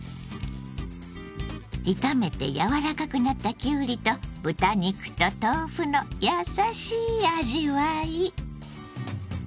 炒めてやわらかくなったきゅうりと豚肉と豆腐のやさしい味わい。